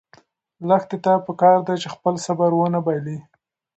لښتې ته پکار ده چې خپل صبر ونه بایلي.